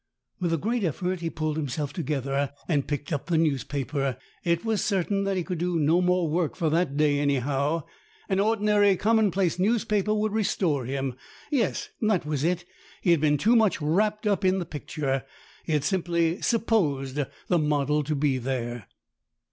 With a great effort he pulled himself together and picked up the news paper. It was certain that he could do no more work for that day, anyhow. An ordinary, common place newspaper would restore him. Yes, that was it. He had been too much wrapped up in the picture. He had simply supposed the model to be there.